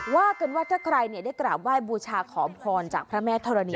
ว่ากันว่าถ้าใครเนี่ยได้กล้าวว่ายบูชาขอมพรจากพระแม่ธรรณี